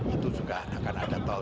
itu juga akan ada tol